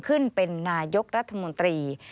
ขึ้นเป็นนายกรัฐมนตรี